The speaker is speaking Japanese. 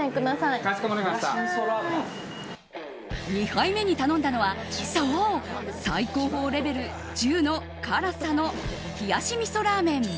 ２杯目に頼んだのはそう、最高峰レベル１０の辛さの冷し味噌ラーメン。